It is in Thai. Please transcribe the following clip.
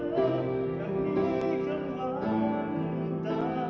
ขอบคุณครับ